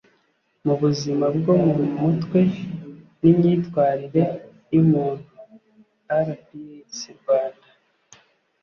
mu buzima bwo mu mutwe n imyitwarire y umuntu rps rwanda